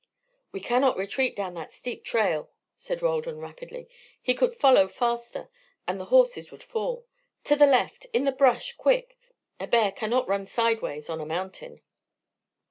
"We cannot retreat down that steep trail," said Roldan, rapidly. "He could follow faster and the horses would fall. To the left! in the brush, quick! a bear cannot run sideways on a mountain."